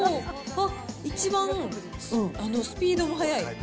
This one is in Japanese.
あっ、一番スピードも速い。